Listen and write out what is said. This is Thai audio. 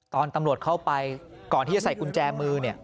ตอนตำรวจเข้าไปก่อนที่จะใส่กุญแจมือเนี่ย